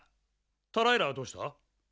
タライラはどうした？